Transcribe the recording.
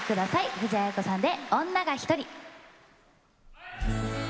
藤あや子さんで「女がひとり」。